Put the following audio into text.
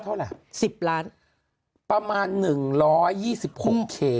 เท่าไหร่สิบล้านประมาณหนึ่งร้อยยี่สิบหกเคมากหนึ่งร้อย